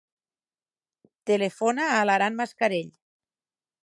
Telefona a l'Aran Mascarell.